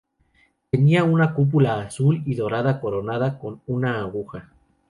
Tiene una cúpula azul y dorada coronada con una aguja.